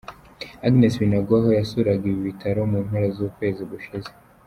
Agnes Binagwaho yasuraga ibi bitaro mu mpera z’ukwezi gushize.